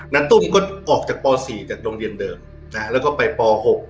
นัทตุ้มก็ออกจากป่าวสี่จากโรงเรียนเดิมอ่าแล้วก็ไปป่าวหก